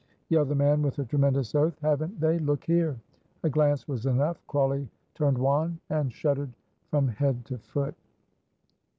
yelled the man, with a tremendous oath "haven't they? LOOK HERE!" A glance was enough. Crawley turned wan and shuddered from head to foot.